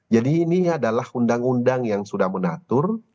jadi ini adalah undang undang yang sudah menatur